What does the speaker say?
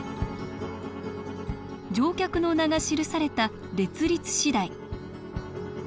乗客の名が記された「列立次第」